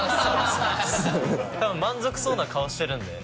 満足そうな顔してるんで。